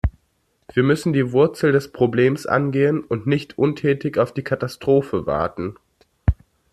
Wir müssen die Wurzel des Problems angehen und nicht untätig auf die Katastrophe warten.